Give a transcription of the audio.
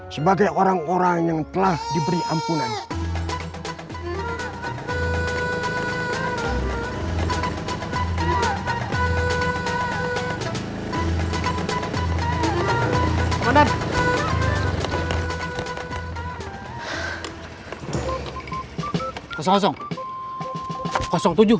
sebagai orang orang yang telah diberi ampunan